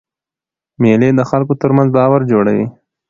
مېلې د خلکو ترمنځ باور جوړوي.